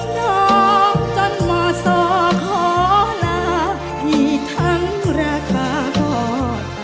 น้องจนมสอขอลาพี่ทั้งราคาถอด